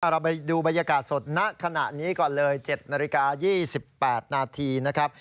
เราไปดูบรรยากาศสดณขณะนี้ก่อนเลย๗นาฬิกา๒๘นาทีนะครับ